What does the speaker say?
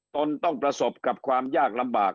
ตนต้องประสบกับความยากลำบาก